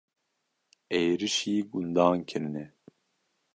Êrişî gundan kirine.